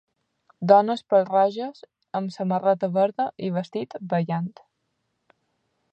dones pèl-roges amb samarreta verda i vestit ballant